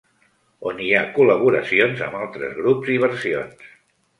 On hi ha col·laboracions amb altres grups i versions.